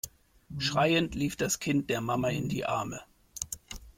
Schreiend lief das Kind der Mama in die Arme.